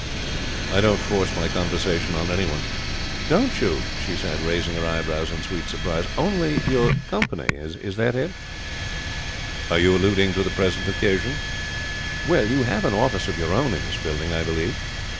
'I don't force my conversation on anyone.' 'Don't you?' she said, raising her eyebrows in sweet surprise. 'Only your company is that it?' 'Are you alluding to the present occasion?' 'Well, you have an office of your own in this building, I believe.'